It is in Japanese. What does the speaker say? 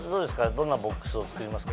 どんなボックスを作りますか？